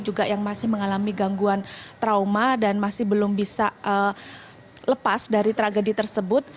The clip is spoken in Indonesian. juga yang masih mengalami gangguan trauma dan masih belum bisa lepas dari tragedi tersebut